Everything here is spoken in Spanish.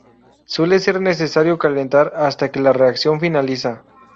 Suele ser necesario calentar hasta que la reacción finaliza.